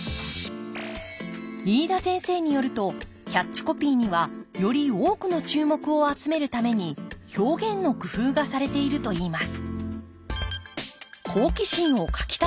飯田先生によるとキャッチコピーにはより多くの注目を集めるために「表現の工夫」がされているといいます